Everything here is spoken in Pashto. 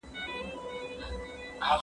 شګه پاکه کړه!.